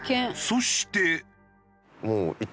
そして。